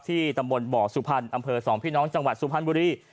ที่ตระบวนเบาะสุพรรณอำเภอ๒พี่น้องจังหวัดสุพรรณบุรี